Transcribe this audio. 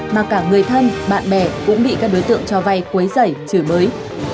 mà cả người thân bạn bè cũng bị các đối tượng cho vai quấy giảy chửi bới